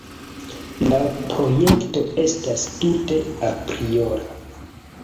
La projekto estas tute apriora.